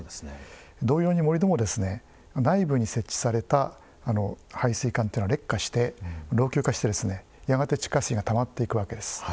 同様に盛土も内部に設置された排水管が劣化して、老朽化してやがて、地下水がたまっていくわけです。